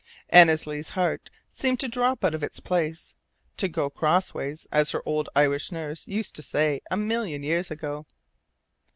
Annesley's heart seemed to drop out of its place, to go "crossways," as her old Irish nurse used to say a million years ago.